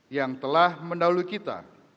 yang telah mendahulu kita